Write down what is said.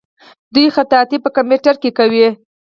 دوی خطاطي په کمپیوټر کې کوي.